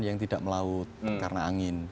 yang tidak melaut karena angin